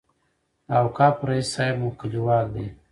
د اوقافو رئیس صاحب مو کلیوال دی.